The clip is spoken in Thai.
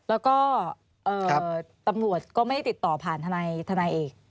แล้วก็ตำรวจก็ไม่ได้ติดต่อผ่านทนายเอก